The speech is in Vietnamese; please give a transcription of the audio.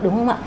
đúng không ạ